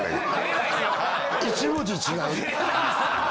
１文字違う。